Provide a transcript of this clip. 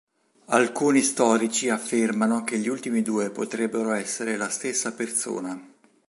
Alcuni storici affermano che gli ultimi due potrebbero essere la stessa persona.